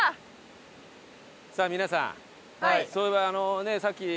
さあ皆さんそういえばあのねさっき。